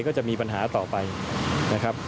ก็จะมีปัญหาต่อไปนะครับ